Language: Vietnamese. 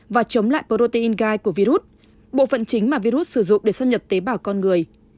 và chống lại protein gai của virus bộ phận chính mà virus sử dụng để xâm nhập tế bào con người